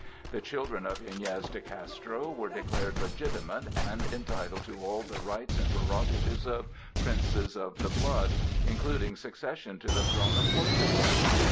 The children of Iñez de Castro were declared legitimate and entitled to all the rights and prerogatives of princes of the blood, including succession to the throne of Portugal.